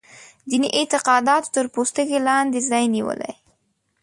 دیني اعتقاداتو تر پوستکي لاندې ځای نیولی.